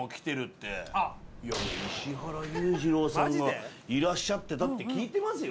石原裕次郎さんがいらっしゃってたって聞いてますよ